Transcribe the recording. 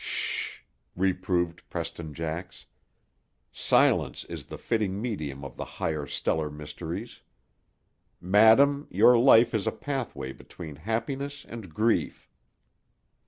"Sh h h h!" reproved Preston Jax. "Silence is the fitting medium of the higher stellar mysteries. Madam, your life is a pathway between happiness and grief.